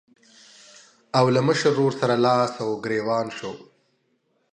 او له مشر ورور سره لاس او ګرېوان شو.